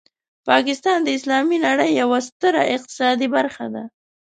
پاکستان د اسلامي نړۍ یوه ستره اقتصادي برخه ده.